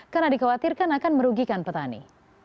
karena dikhawatirkan akan merugikan petani